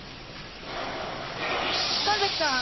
神崎さん。